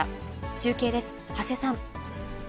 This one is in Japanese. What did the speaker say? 中継です、長谷さん。